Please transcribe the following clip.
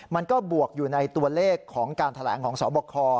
บวกอยู่ในตัวเลขของการแถลงของสบค